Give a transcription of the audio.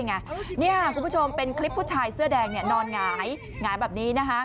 คุณผู้ชมเป็นคลิปผู้ชายเสื้อแดงนอนหงายแบบนี้